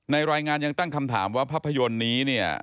รายงานยังตั้งคำถามว่าภาพยนตร์นี้เนี่ย